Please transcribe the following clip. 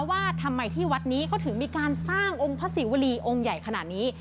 ว่าทำไมที่วัดนี้เขาถึงมีการสร้างองค์พระศิวรีองค์ใหญ่ขนาดนี้